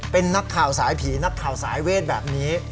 เป็นนักข่าวสายผีนักข่าวสายเวทแบบนี้